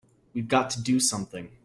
We've got to do something!